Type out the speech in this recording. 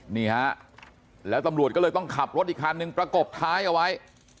นี่ฮะแล้วตำรวจก็เลยต้องขับรถอีกคันนึงประกบท้ายเอาไว้